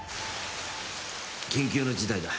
緊急の事態だ。